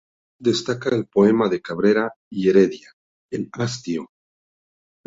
Destaca el poema de Cabrera y Heredia, "El hastío".